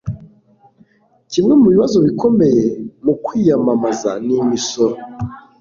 Kimwe mu bibazo bikomeye mu kwiyamamaza ni imisoro.